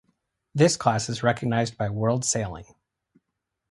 This class is recognised by World Sailing.